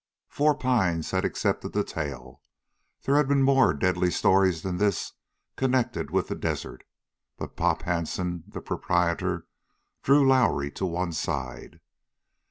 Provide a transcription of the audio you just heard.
Four Pines had accepted the tale. There had been more deadly stories than this connected with the desert. But Pop Hansen, the proprietor, drew Lowrie to one side.